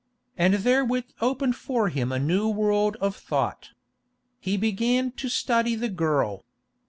And therewith opened for him a new world of thought. He began to study the girl.